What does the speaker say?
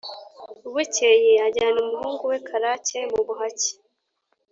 bukeye ajyana umuhungu we karake mu buhake;